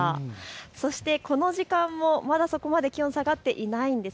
そしてこの時間もまだそこまで気温、下がっていないんです。